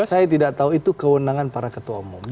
saya tidak tahu itu kewenangan para ketua umum